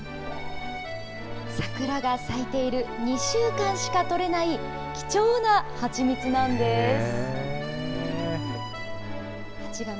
桜が咲いている２週間しか取れない貴重な蜂蜜なんです。